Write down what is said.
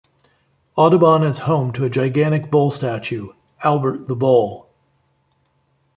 Audubon is home to a gigantic bull statue, Albert the Bull.